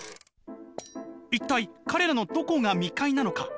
「一体彼らのどこが未開なのか？